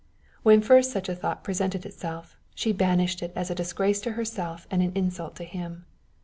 When first such a thought presented itself, she banished it as a disgrace to herself and an insult to him.